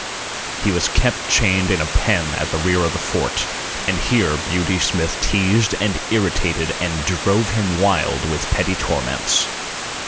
He was kept chained in a pen at the rear of the fort, and here Beauty Smith teased and irritated and drove him wild with petty torments.